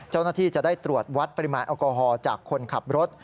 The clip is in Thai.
เจ้าหน้าที่จะได้ตรวจวัดปริมาณแอลกอฮอลจากคนขับรถ